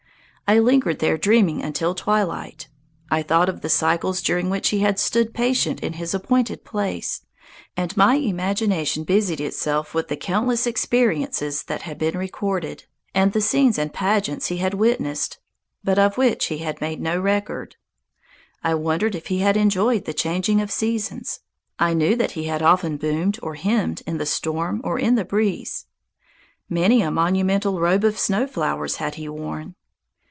I lingered there dreaming until twilight. I thought of the cycles during which he had stood patient in his appointed place, and my imagination busied itself with the countless experiences that had been recorded, and the scenes and pageants he had witnessed but of which he had made no record. I wondered if he had enjoyed the changing of seasons. I knew that he had often boomed or hymned in the storm or in the breeze. Many a monumental robe of snow flowers had he worn.